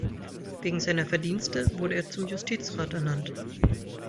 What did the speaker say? Wegen seiner Verdienste wurde er zum Justizrat ernannt.